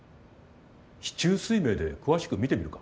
四柱推命で詳しく見てみるか？